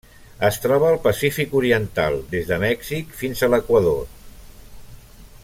Es troba al Pacífic oriental: des de Mèxic fins a l'Equador.